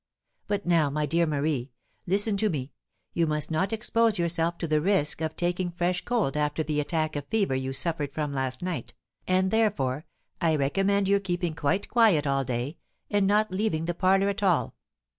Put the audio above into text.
But now, my dear Marie, listen to me; you must not expose yourself to the risk of taking fresh cold after the attack of fever you suffered from last night, and, therefore, I recommend your keeping quite quiet all day, and not leaving the parlour at all."